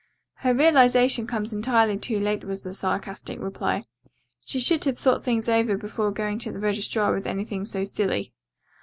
"Her realization comes entirely too late," was the sarcastic reply. "She should have thought things over before going to the registrar with anything so silly."